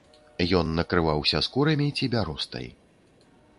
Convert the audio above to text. Ён накрываўся скурамі ці бяростай.